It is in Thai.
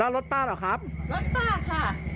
อ๋อแล้วรถป้าเหรอครับรถป้าค่ะ